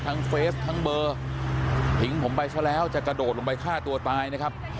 เฟสทั้งเบอร์ทิ้งผมไปซะแล้วจะกระโดดลงไปฆ่าตัวตายนะครับ